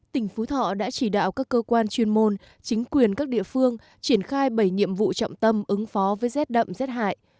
tỉnh phú thọ đã chỉ đạo các cơ quan chuyên môn chính quyền các địa phương triển khai bảy nhiệm vụ trọng tâm ứng phó với rét đậm rét hại